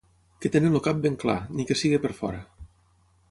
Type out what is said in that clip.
Que tenen el cap ben clar, ni que sigui per fora.